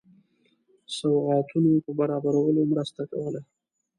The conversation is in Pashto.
سوغاتونو په برابرولو مرسته کوله.